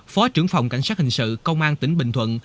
phó trưởng phòng cảnh sát hình sự công an tỉnh bình thuận